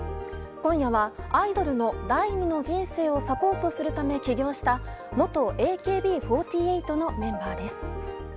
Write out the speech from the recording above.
今夜はアイドルの第二の人生をサポートするため起業した元ＡＫＢ４８のメンバーです。